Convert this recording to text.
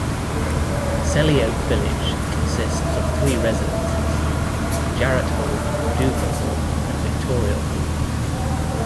Selly Oak Village consists of three residences; Jarratt Hall, Douper Hall and Victoria Hall.